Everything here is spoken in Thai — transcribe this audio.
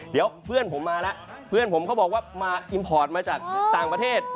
เดี๋ยวเพื่อนผมมาแล้วเพื่อนผมเขาบอกว่ามาอิมพอร์ตมาจากต่างประเทศ